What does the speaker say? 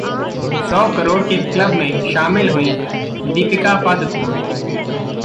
सौ करोड़ के क्लब में शामिल हुई दीपिका पादुकोण